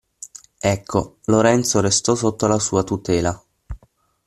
Ecco, Lorenzo restò sotto la sua tutela.